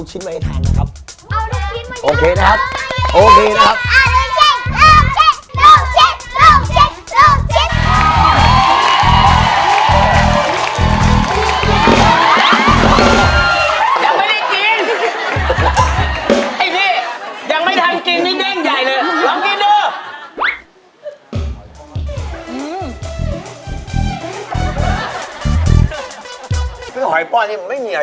จะติดมาศัระคุณแซคชุมแผน